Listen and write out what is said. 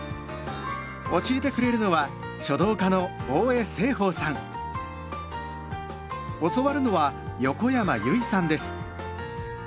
教えてくれるのは教わるのは横山由依さんです。